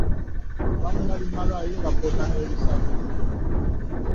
Abamu bali mu malwaliro bapooca na bisago.